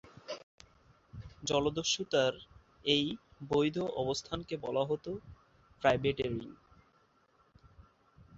জলদস্যুতার এই বৈধ অবস্থানকে বলা হতো প্রাইভেটেরিং।